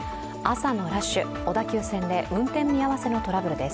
朝のラッシュ、小田急線で運転見合わせのトラブルです。